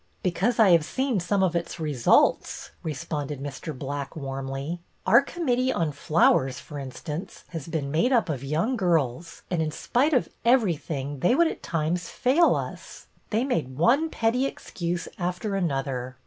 " Because I have seen some of its results," responded Mr. Black, warmly. " Our Com mittee on Flowers, for instance, has been made up of young girls, and in spite of every thing they would at times fail us. They made one petty excuse after another.